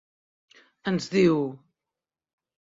Ens diu: